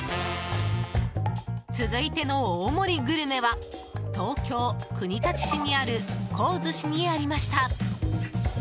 続いての大盛りグルメは東京・国立市にある幸寿司にありました。